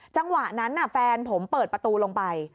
จังหวะนั้นแฟนผมเปิดประตูลงไป